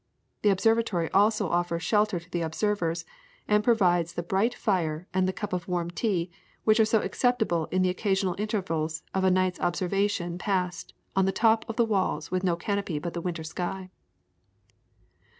The observatory also offers shelter to the observers, and provides the bright fire and the cup of warm tea, which are so acceptable in the occasional intervals of a night's observation passed on the top of the walls with no canopy but the winter sky.